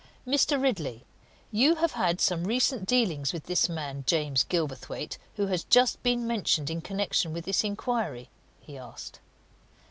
"Mr. Ridley, you have had some recent dealings with this man James Gilverthwaite, who has just been mentioned in connection with this inquiry?" he asked.